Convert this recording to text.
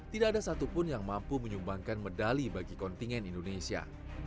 tidak ada satupun yang mampu menyumbangkan medali bagi kontingen indonesia